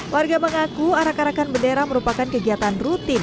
warga mengaku arah karakan bendera merupakan kegiatan rutin